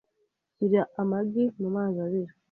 Shyira amagi mumazi abira .